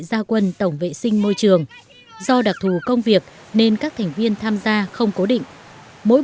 gia quân tổng vệ sinh môi trường do đặc thù công việc nên các thành viên tham gia không cố định mỗi